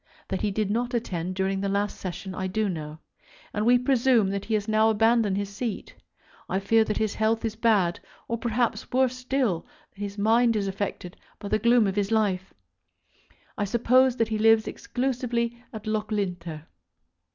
That he did not attend during the last Session I do know, and we presume that he has now abandoned his seat. I fear that his health is bad, or perhaps, worse still, that his mind is affected by the gloom of his life. I suppose that he lives exclusively at Loughlinter.